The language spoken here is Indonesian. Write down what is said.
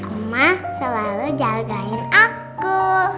oma selalu jagain aku